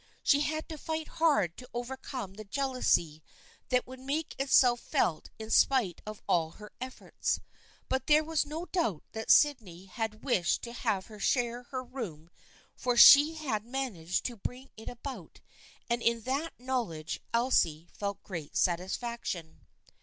She had to fight hard to overcome the jealousy that would make itself felt in spite of all her efforts. But there was no doubt that Sydney had wished to have her share her room for she had managed to bring it about, and in that knowledge Elsie felt great satisfaction.